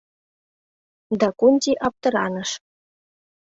Дакунти аптыраныш.